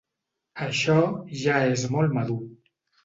Això ja és molt madur